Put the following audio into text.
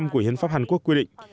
của hiến pháp hàn quốc quy định